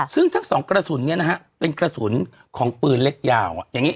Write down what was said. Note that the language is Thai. ซึ่งทั้งสองกระสุนเนี่ยนะฮะเป็นกระสุนของปืนเล็กยาวอย่างนี้